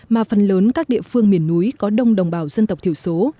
mà phần lớn các địa phương miền núi có đông đồng bào dân tộc thiểu số